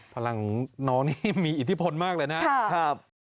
พลังน้องนี่มีอิทธิพลมากเลยนะครับ